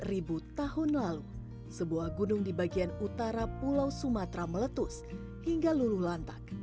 ribu tahun lalu sebuah gunung di bagian utara pulau sumatera meletus hingga luluh lantak